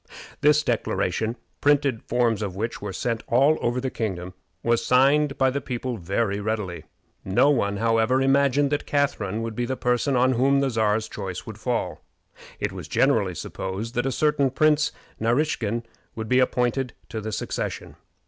This declaration, printed forms of which were sent all over the kingdom, was signed by the people very readily. No one, however, imagined that Catharine would be the person on whom the Czar's choice would fall. It was generally supposed that a certain Prince Naraskin would be appointed to the succession.